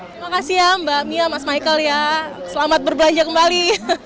terima kasih ya mbak mia mas michael ya selamat berbelanja kembali